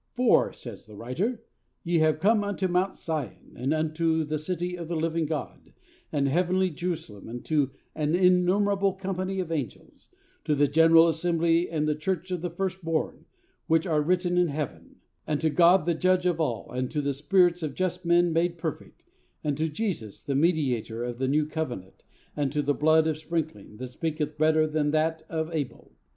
'For,' says the writer, 'ye have come unto Mount Sion, and unto the city of the living God, the heavenly Jerusalem, and to an innumerable company of angels, to the general assembly and church of the firstborn, which are written in heaven, and to God the Judge of all and to the spirits of just men made perfect, and to Jesus the mediator of the new covenant, and to the blood of sprinkling, that speaketh better things than that of Abel.'